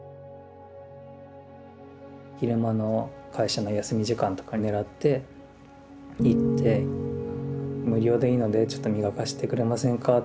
昼間の会社の休み時間とか狙って行って無料でいいのでちょっと磨かしてくれませんか？